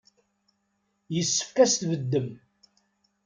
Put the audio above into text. Yessefk ad as-tbeddem.